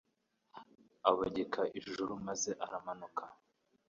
Abogeka ijuru maze aramanuka